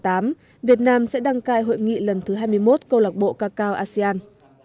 năm hai nghìn một mươi tám việt nam sẽ đăng cai hội nghị lần thứ hai mươi một câu lạc bộ ca cao asean